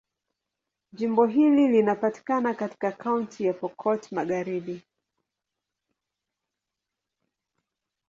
Jimbo hili linapatikana katika Kaunti ya Pokot Magharibi.